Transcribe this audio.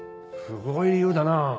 すごい理由だな。